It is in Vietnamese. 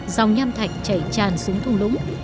dòng nham thạch chảy tràn xuống thung lũng